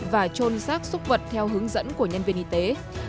và trôn xác xúc vật theo hướng dẫn của nhân viên y tế